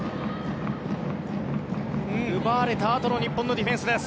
奪われたあとの日本のディフェンスです。